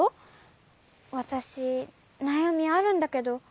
わたしなやみあるんだけど。